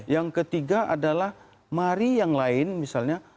yang ketiga adalah mari yang lain misalnya